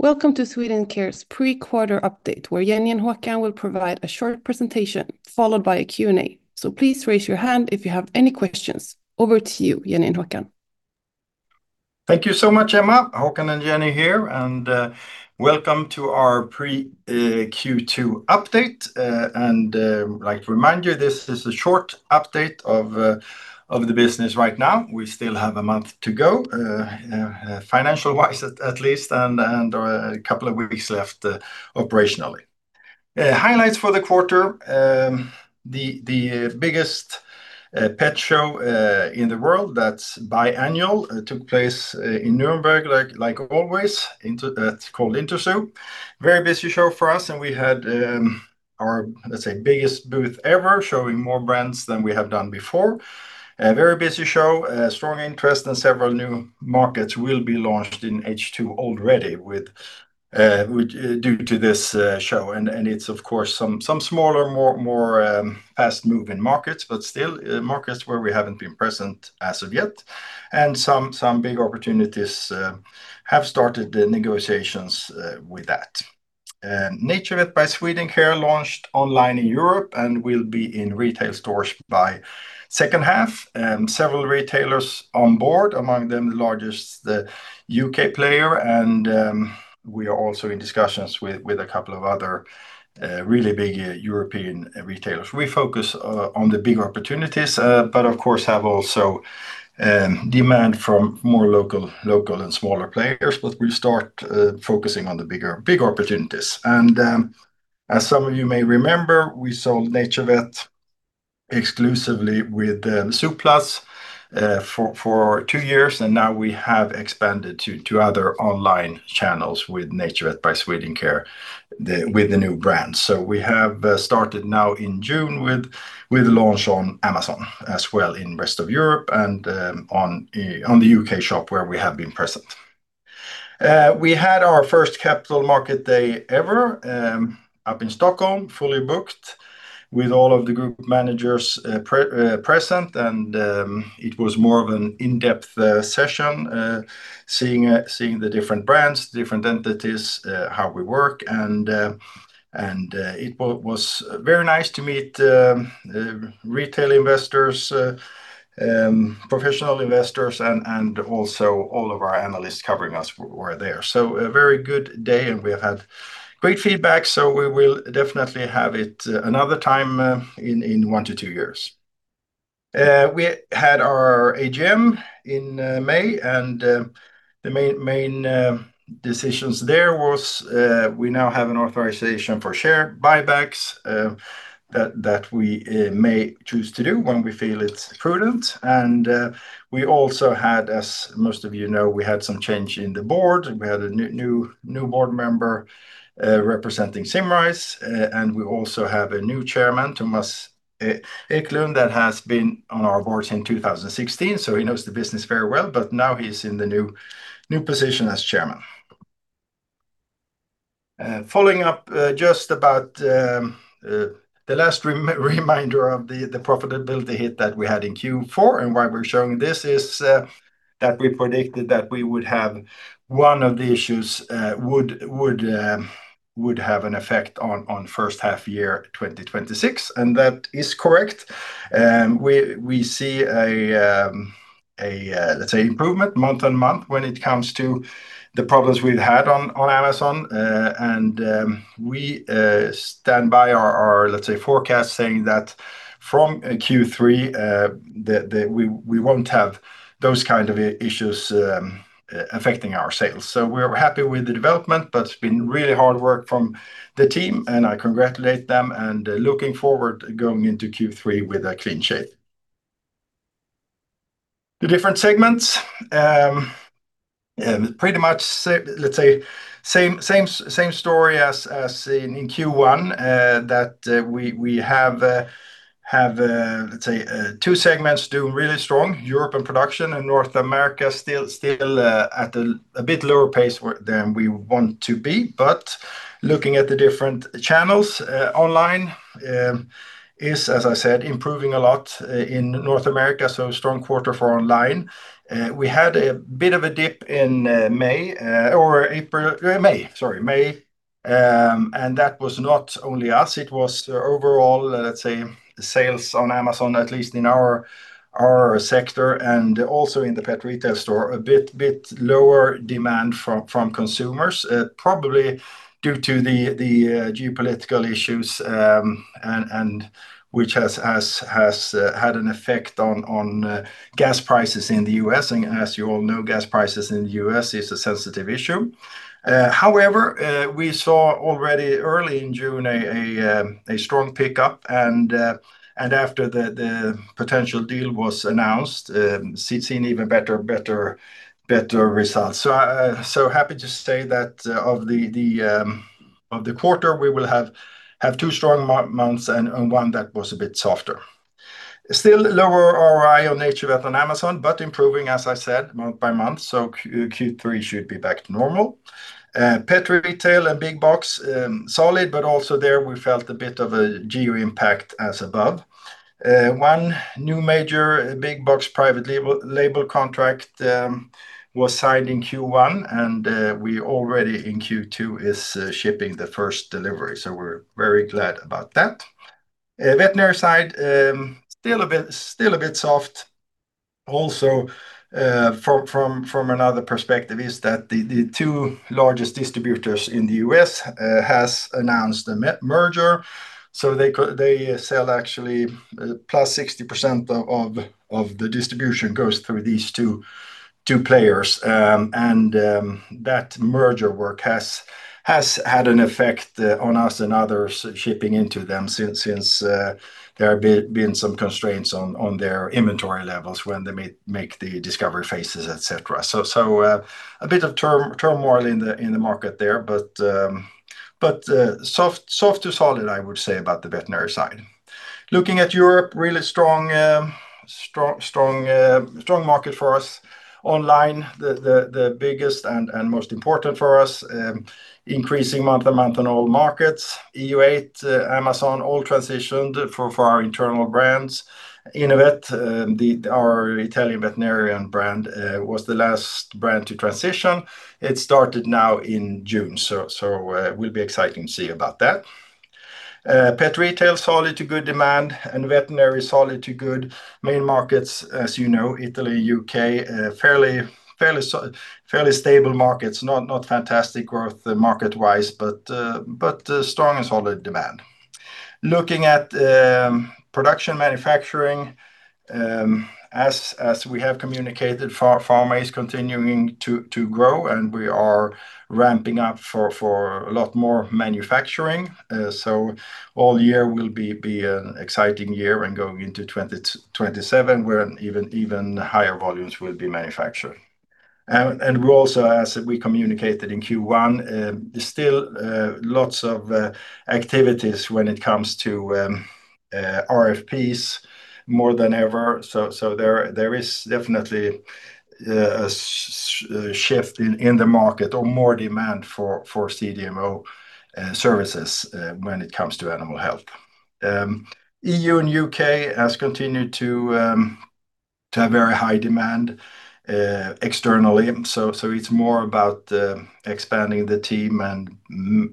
Welcome to Swedencare's pre-quarter update, where Jenny and Håkan will provide a short presentation followed by a Q&A. Please raise your hand if you have any questions. Over to you, Jenny and Håkan. Thank you so much, Emma. Håkan and Jenny here, welcome to our pre-Q2 update. I'd like to remind you, this is a short update of the business right now. We still have a month to go, financial-wise at least, and a couple of weeks left operationally. Highlights for the quarter. The biggest pet show in the world that's biannual took place in Nuremberg, like always. It's called Interzoo. Very busy show for us, and we had our, let's say, biggest booth ever, showing more brands than we have done before. A very busy show, strong interest, and several new markets will be launched in H2 already due to this show. It's, of course, some smaller, more fast-moving markets, but still markets where we haven't been present as of yet. Some big opportunities have started the negotiations with that. NaturVet by Swedencare launched online in Europe and will be in retail stores by second half. Several retailers on board, among them the largest U.K. player, and we are also in discussions with a couple of other really big European retailers. We focus on the bigger opportunities, but of course have also demand from more local and smaller players, but we'll start focusing on the bigger opportunities. As some of you may remember, we sold NaturVet exclusively with zooplus for two years, and now we have expanded to other online channels with NaturVet by Swedencare with the new brand. We have started now in June with launch on Amazon as well in rest of Europe and on the U.K. shop where we have been present. We had our first capital market day ever up in Stockholm, fully booked, with all of the group managers present, it was more of an in-depth session, seeing the different brands, different entities, how we work, it was very nice to meet retail investors, professional investors, and also all of our analysts covering us were there. A very good day, and we have had great feedback, we will definitely have it another time in one to two years. We had our AGM in May, the main decisions there was we now have an authorization for share buybacks that we may choose to do when we feel it's prudent. We also had, as most of you know, we had some change in the board. We had a new board member representing Symrise, and we also have a new chairman, Thomas Eklund, that has been on our board since 2016, so he knows the business very well. Now he's in the new position as chairman. Following up just about the last reminder of the profitability hit that we had in Q4 and why we're showing this is that we predicted that we would have one of the issues would have an effect on H1 2026, and that is correct. We see, let's say, improvement month-on-month when it comes to the problems we've had on Amazon. We stand by our, let's say, forecast saying that from Q3, we won't have those kind of issues affecting our sales. We're happy with the development. That's been really hard work from the team, and I congratulate them, and looking forward going into Q3 with a clean sheet. The different segments are pretty much, let's say, same story as in Q1, that we have, let's say, two segments doing really strong. Europe and production in North America still at a bit lower pace than we want to be. Looking at the different channels, online is, as I said, improving a lot in North America, so strong quarter for online. We had a bit of a dip in May, and that was not only us, it was overall, let's say, sales on Amazon, at least in our sector and also in the pet retail store, a bit lower demand from consumers, probably due to the geopolitical issues, which has had an effect on gas prices in the U.S. As you all know, gas prices in the U.S. is a sensitive issue. However, we saw already early in June a strong pickup, and after the potential deal was announced, seeing even better results. Happy to say that of the quarter, we will have two strong months and one that was a bit softer. Still lower ROI on NaturVet on Amazon, but improving, as I said, month-by-month, so Q3 should be back to normal. Pet retail and big box, solid, but also there, we felt a bit of a geo impact as above. One new major big box private label contract was signed in Q1, and we already in Q2 is shipping the first delivery, so we're very glad about that. Veterinary side, still a bit soft. Also, from another perspective is that the two largest distributors in the U.S. have announced a merger. Actually, +60% of the distribution goes through these two players. That merger work has had an effect on us and others shipping into them since there have been some constraints on their inventory levels when they make the discovery phases, et cetera. A bit of turmoil in the market there, but soft to solid, I would say, about the veterinary side. Looking at Europe, really strong market for us. Online, the biggest and most important for us. Increasing month-to-month on all markets. EU8, Amazon, all transitioned for our internal brands. Innovet, our Italian veterinarian brand, was the last brand to transition. It started now in June, so will be exciting to see about that. Pet retail, solid to good demand, and veterinary, solid to good. Main markets, as you know, Italy, U.K., fairly stable markets. Not fantastic growth market-wise, but strong and solid demand. Looking at production manufacturing, as we have communicated, pharma is continuing to grow, and we are ramping up for a lot more manufacturing. All year will be an exciting year and going into 2027, where even higher volumes will be manufactured. We also, as we communicated in Q1, there is still lots of activities when it comes to RFPs, more than ever. There is definitely a shift in the market or more demand for CDMO services when it comes to animal health. EU and U.K. have continued to have very high demand externally. It is more about expanding the team and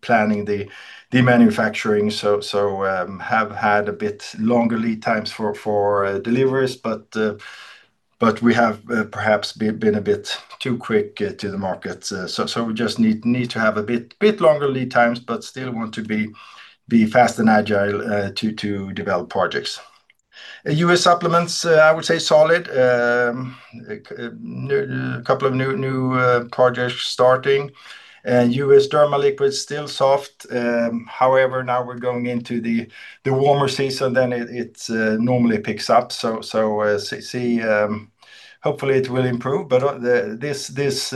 planning the manufacturing. Have had a bit longer lead times for deliveries, but we have perhaps been a bit too quick to the market. We just need to have a bit longer lead times, but still want to be fast and agile to develop projects. U.S. supplements, I would say solid. A couple of new projects starting. U.S. dermal liquids, still soft. However, now we are going into the warmer season, it normally picks up. Hopefully it will improve. This is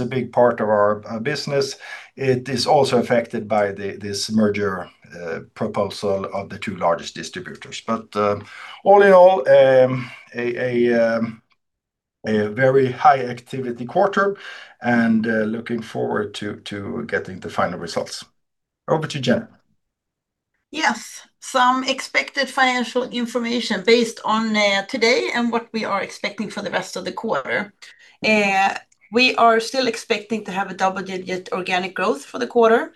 a big part of our business. It is also affected by this merger proposal of the two largest distributors. All in all, a very high-activity quarter and looking forward to getting the final results. Over to Jenny. Yes. Some expected financial information based on today and what we are expecting for the rest of the quarter. We are still expecting to have a double-digit organic growth for the quarter.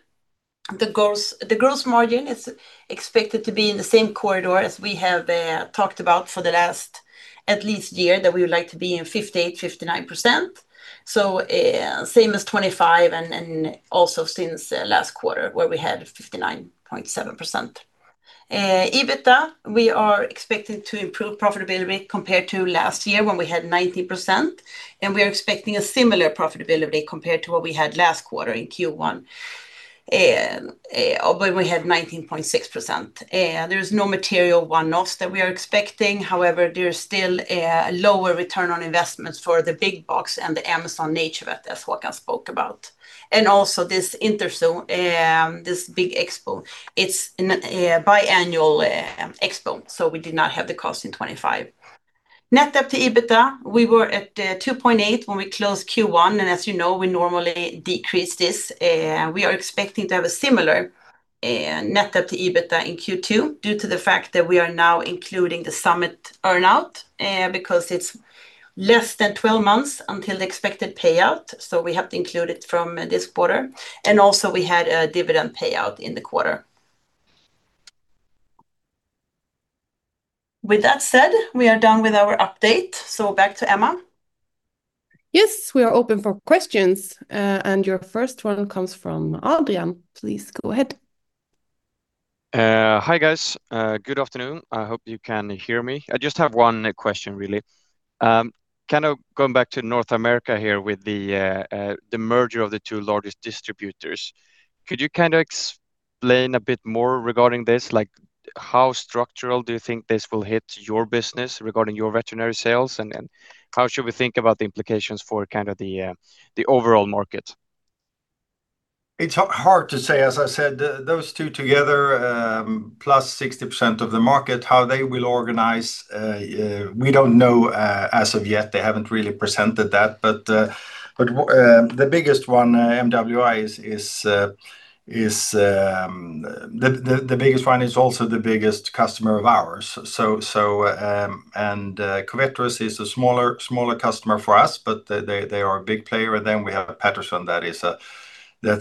The gross margin is expected to be in the same corridor as we have talked about for the last at least year, that we would like to be in 58%-59%. Same as 2025 and also since last quarter, where we had 59.7%. EBITDA, we are expecting to improve profitability compared to last year when we had 19%, and we are expecting a similar profitability compared to what we had last quarter in Q1, when we had 19.6%. There is no material one-offs that we are expecting. However, there is still a lower return on investments for the big box and the Amazon NaturVet as Håkan spoke about. Also this Interzoo, this big expo. It is a biannual expo, so we did not have the cost in 2025. Net up to EBITDA, we were at 2.8 when we closed Q1. As you know, we normally decrease this. We are expecting to have a similar net up to EBITDA in Q2 due to the fact that we are now including the Summit earn-out, because it is less than 12 months until the expected payout, so we have to include it from this quarter. Also we had a dividend payout in the quarter. With that said, we are done with our update. Back to Emma. Yes, we are open for questions. Your first one comes from Adrian. Please go ahead. Hi, guys. Good afternoon. I hope you can hear me. I just have one question, really. Kind of going back to North America here with the merger of the two largest distributors. Could you explain a bit more regarding this? How structural do you think this will hit your business regarding your veterinary sales, how should we think about the implications for the overall market? It's hard to say. As I said, those two together, +60% of the market, how they will organize, we don't know as of yet. They haven't really presented that. The biggest one, MWI, is also the biggest customer of ours. Covetrus is a smaller customer for us, but they are a big player. Then we have Patterson, that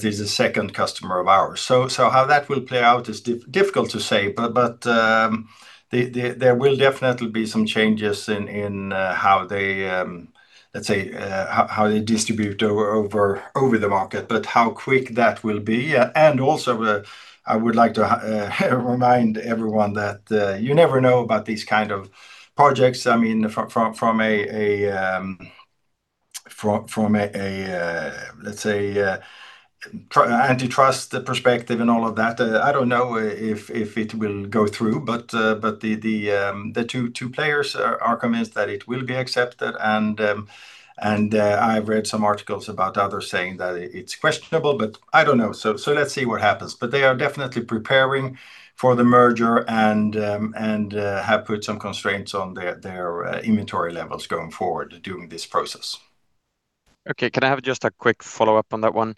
is the second customer of ours. How that will play out is difficult to say, but there will definitely be some changes in how they Let's say, how they distribute over the market, but how quick that will be. Also, I would like to remind everyone that you never know about these kind of projects. From an antitrust perspective and all of that, I don't know if it will go through. The two players are convinced that it will be accepted. I've read some articles about others saying that it's questionable. I don't know. Let's see what happens. They are definitely preparing for the merger and have put some constraints on their inventory levels going forward during this process. Okay. Can I have just a quick follow-up on that one?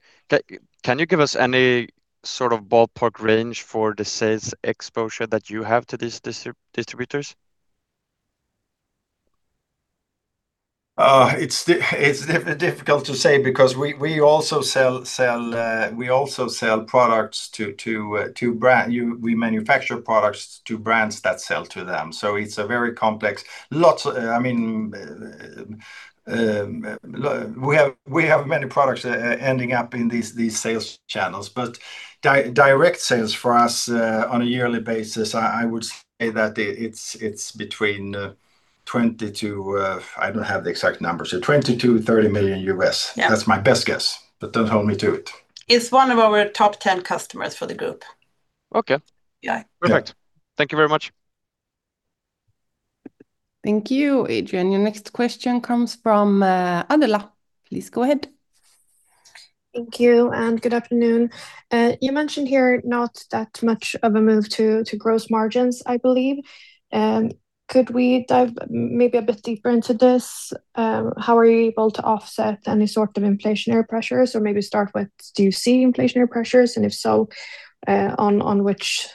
Can you give us any ballpark range for the sales exposure that you have to these distributors? It's difficult to say because we manufacture products to brands that sell to them. It's very complex. We have many products ending up in these sales channels. Direct sales for us, on a yearly basis, I would say that it's between $20 million-$30 million. Yeah. That's my best guess, but don't hold me to it. It's one of our top 10 customers for the group. Okay. Yeah. Perfect. Thank you very much. Thank you, Adrian. Your next question comes from Adela. Please go ahead. Thank you. Good afternoon. You mentioned here not that much of a move to gross margins, I believe. Could we dive maybe a bit deeper into this? How are you able to offset any sort of inflationary pressures? Or maybe start with, do you see inflationary pressures, and if so, on which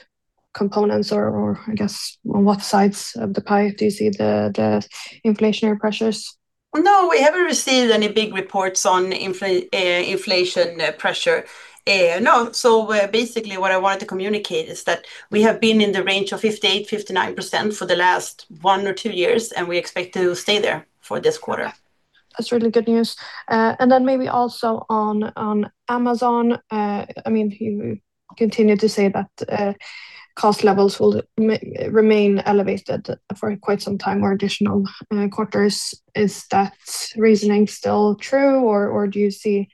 components, or I guess, on what sides of the pie do you see the inflationary pressures? No, we haven't received any big reports on inflation pressure. No. Basically what I wanted to communicate is that we have been in the range of 58%-59% for the last one or two years, and we expect to stay there for this quarter. That's really good news. Maybe also on Amazon, you continued to say that cost levels will remain elevated for quite some time or additional quarters. Is that reasoning still true, or do you see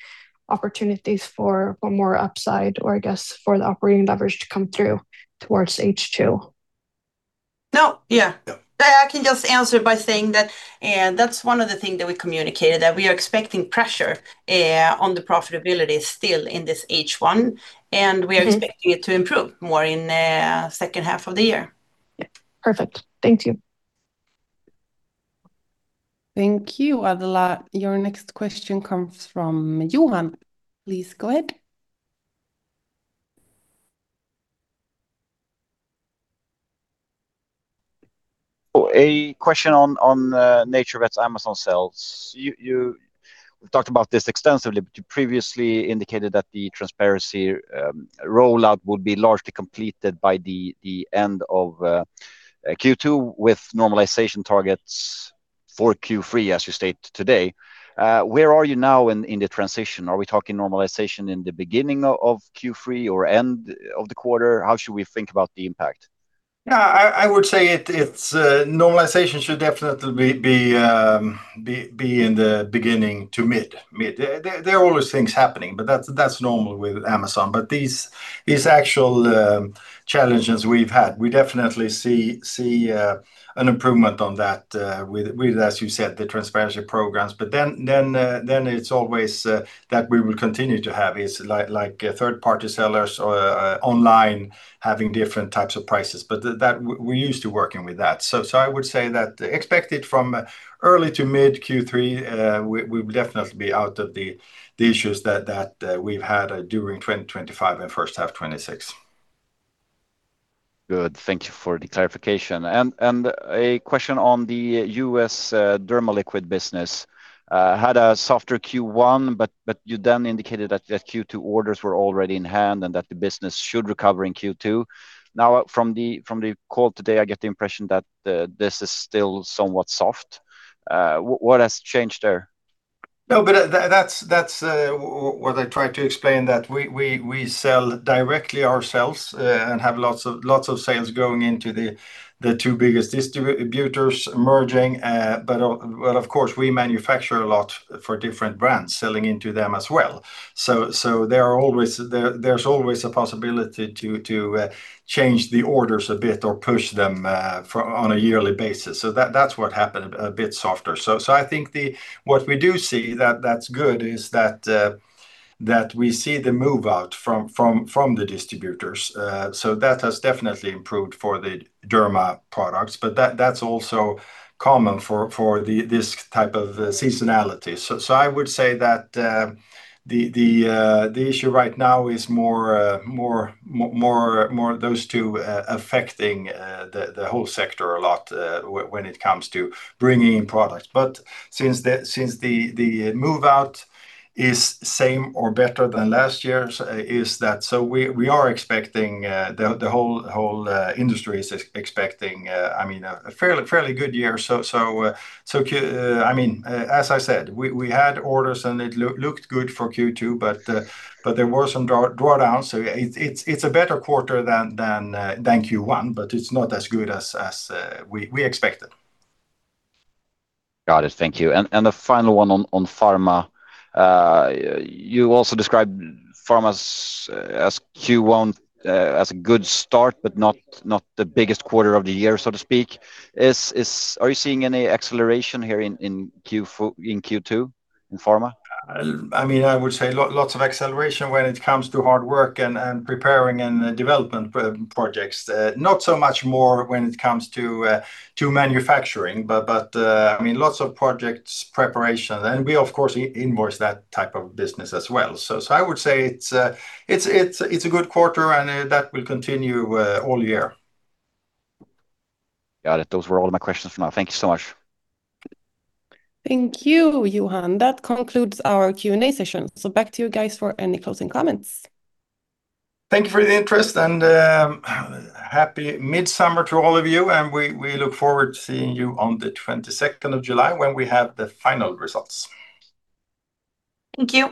opportunities for more upside, or I guess, for the operating leverage to come through towards H2? No. Yeah. Yeah. I can just answer by saying that that's one of the things that we communicated, that we are expecting pressure on the profitability still in this H1, and we are expecting it to improve more in the H2 of the year. Yeah. Perfect. Thank you. Thank you, Adela. Your next question comes from Johan. Please go ahead. A question on NaturVet's Amazon sales. You previously indicated that the transparency rollout would be largely completed by the end of Q2 with normalization targets for Q3, as you state today. Where are you now in the transition? Are we talking normalization in the beginning of Q3 or end of the quarter? How should we think about the impact? I would say normalization should definitely be in the beginning to mid. There are always things happening, but that's normal with Amazon. These actual challenges we've had, we definitely see an improvement on that with, as you said, the transparency programs. It's always that we will continue to have is third-party sellers or online having different types of prices, but we're used to working with that. I would say that expect it from early to mid Q3, we will definitely be out of the issues that we've had during 2025 and H1 2026. Good. Thank you for the clarification. A question on the U.S. Derma liquid business. Had a softer Q1, you then indicated that Q2 orders were already in hand and that the business should recover in Q2. From the call today, I get the impression that this is still somewhat soft. What has changed there? That's what I tried to explain, that we sell directly ourselves and have lots of sales going into the two biggest distributors merging. Of course, we manufacture a lot for different brands selling into them as well. There's always a possibility to change the orders a bit or push them on a yearly basis. That's what happened, a bit softer. I think what we do see that's good is that we see the move out from the distributors. That has definitely improved for the Derma products, but that's also common for this type of seasonality. I would say that the issue right now is more those two affecting the whole sector a lot when it comes to bringing in products. Since the move out is same or better than last year, we are expecting, the whole industry is expecting a fairly good year. As I said, we had orders and it looked good for Q2, but there were some drawdowns. It's a better quarter than Q1, but it's not as good as we expected. Got it. Thank you. The final one on pharma. You also described pharma's Q1 as a good start, but not the biggest quarter of the year, so to speak. Are you seeing any acceleration here in Q2 in pharma? I would say lots of acceleration when it comes to hard work and preparing and development projects. Not so much more when it comes to manufacturing, but lots of projects preparation. We, of course, invoice that type of business as well. I would say it's a good quarter, and that will continue all year. Got it. Those were all my questions for now. Thank you so much. Thank you, Johan. That concludes our Q&A session. Back to you guys for any closing comments. Thank you for the interest, happy Midsummer to all of you, we look forward to seeing you on the 22nd of July when we have the final results. Thank you.